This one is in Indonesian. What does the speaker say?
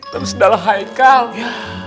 dan sendalnya high count